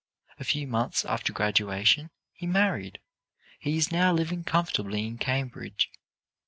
A few months after graduation he married. He is now living comfortably in Cambridge."